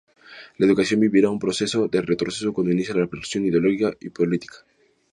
La educación vivirá un proceso de retroceso cuando inicia la persecución ideológica y política.